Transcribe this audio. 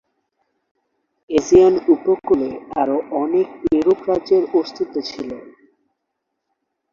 Aegean উপকূলে আরো অনেক এরূপ রাজ্যের অস্তিত্ব ছিল।